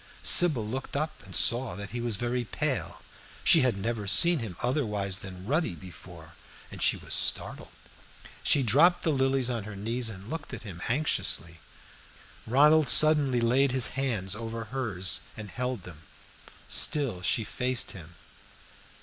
Sybil looked up and saw that he was very pale. She had never seen him otherwise than ruddy before, and she was startled; she dropped the lilies on her knees and looked at him anxiously. Ronald suddenly laid his hands over hers and held them. Still she faced him.